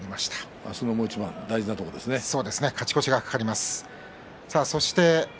明日、もう一番大事なところですね。